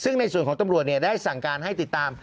ซึ่งในส่วนของตำรวจได้สั่งการให้ติดตาม